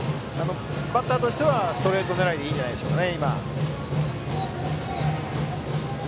バッターはストレート狙いでいいんじゃないでしょうか。